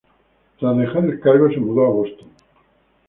Tras dejar el cargo, se mudó a Boston.